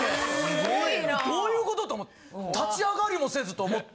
・すごいなぁ・どういうこと！？と立ち上がりもせずと思って。